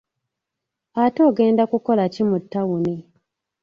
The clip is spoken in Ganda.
Ate ogenda kukola ki mu ttawuni.